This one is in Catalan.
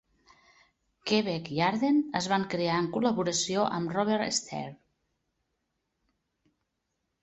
"Quebec" i "Ardent" es van crear en col·laboració amb Robert Stares.